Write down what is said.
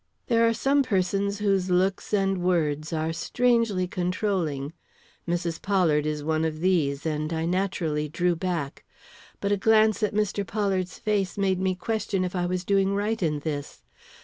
There are some persons whose looks and words are strangely controlling. Mrs. Pollard is one of these, and I naturally drew back. But a glance at Mr. Pollard's face made me question if I was doing right in this.